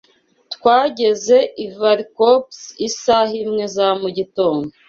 Twageze i Viracopos isaha imwe za mugitondo.